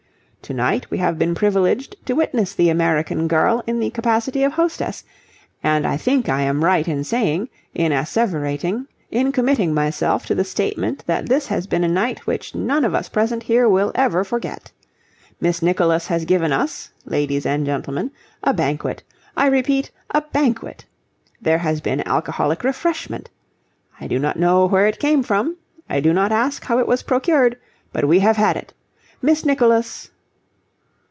To night we have been privileged to witness the American girl in the capacity of hostess, and I think I am right in saying, in asseverating, in committing myself to the statement that this has been a night which none of us present here will ever forget. Miss Nicholas has given us, ladies and gentlemen, a banquet. I repeat, a banquet. There has been alcoholic refreshment. I do not know where it came from: I do not ask how it was procured, but we have had it. Miss Nicholas..."